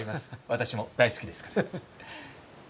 私も大好きですから。